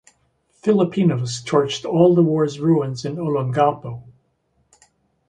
Filipinos torched all the war's ruins in Olongapo.